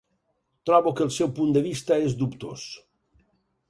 Trobo que el seu punt de vista és dubtós.